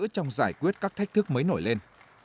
trong giải quyết các thách thức mới nổi lên